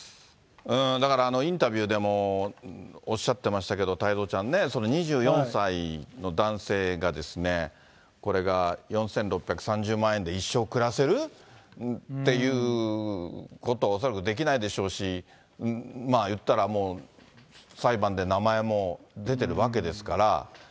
だからインタビューでもおっしゃってましたけれども、太蔵ちゃんね、２４歳の男性が、これが４６３０万円で一生暮らせるっていうことは恐らくできないでしょうし、言ったら、裁判で名前も出てるわけですから。